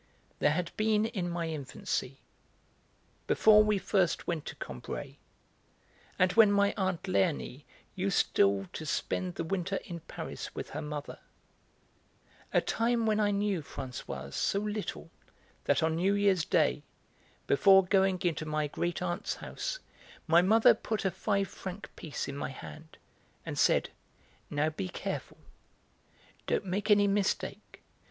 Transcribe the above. There had been in my infancy, before we first went to Combray, and when my aunt Léonie used still to spend the winter in Paris with her mother, a time when I knew Françoise so little that on New Year's Day, before going into my great aunt's house, my mother put a five franc piece in my hand and said: "Now, be careful. Don't make any mistake.